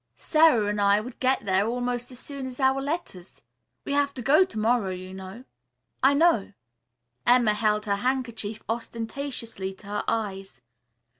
"Sara and I would get there almost as soon as our letters. We have to go to morrow, you know." "I know." Emma held her handkerchief ostentatiously to her eyes.